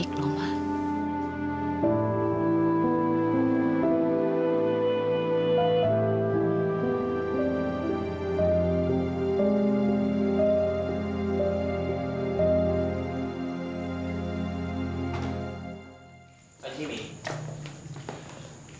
itu orang otak saya